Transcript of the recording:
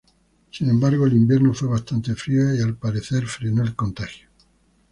Sin embargo, el invierno fue bastante frío, y al parecer frenó el contagio.